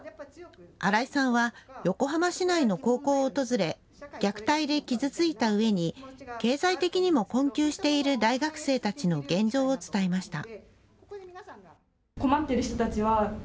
新井さんは横浜市内の高校を訪れ虐待で傷ついたうえに経済的にも困窮している大学生たちの現状を伝えました。